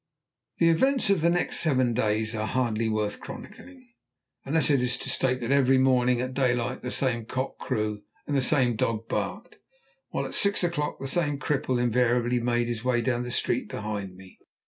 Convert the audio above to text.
The events of the next seven days are hardly worth chronicling, unless it is to state that every morning at daylight the same cock crew and the same dog barked, while at six o'clock the same cripple invariably made his way down the street behind me.